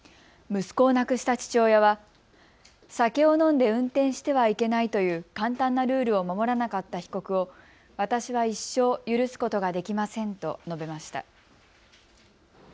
息子を亡くした父親は酒を飲んで運転してはいけないという簡単なルールを守らなかった被告を私は一生、許すことができませんと述べました。